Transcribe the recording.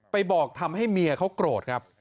บอกทำให้เมียเขาโกรธครับ